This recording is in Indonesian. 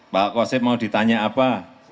pak kosib mau ditanya apa